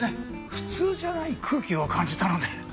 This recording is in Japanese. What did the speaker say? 普通じゃない空気を感じたので。